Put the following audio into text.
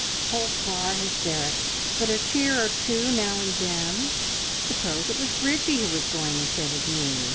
"Oh, bar hysterics! But a tear or two now and then... Suppose it was Bridgie who was going instead of me?